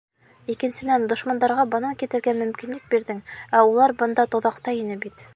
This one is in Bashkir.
Икенсенән, дошмандарға бынан китергә мөмкинлек бирҙең, ә улар бында тоҙаҡта ине бит.